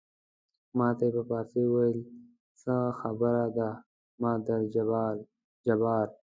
ما ته یې په فارسي وویل څه خبره ده مادر جبار.